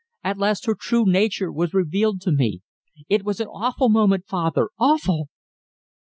At last her true nature was revealed to me. It was an awful moment, father awful!"